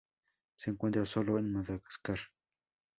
Se encuentra Solo en Madagascar.